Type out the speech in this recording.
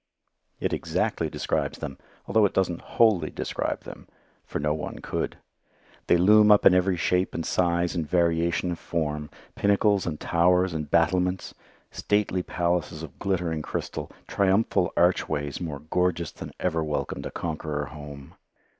It exactly describes them, only it doesn't wholly describe them, for no one could. They loom up in every shape and size and variation of form, pinnacles and towers and battlements, stately palaces of glittering crystal, triumphal archways more gorgeous than ever welcomed a conqueror home.